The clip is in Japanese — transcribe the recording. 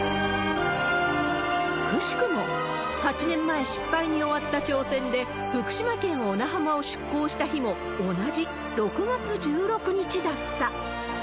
くしくも、８年前、失敗に終わった挑戦で、福島県小名浜を出港した日も、同じ６月１６日だった。